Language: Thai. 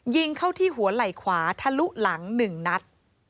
ยิงเข้าที่หัวไหล่ขวาทะลุหลัง๑นัด